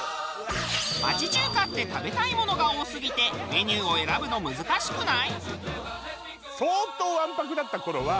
町中華って食べたいものが多すぎてメニューを選ぶの難しくない？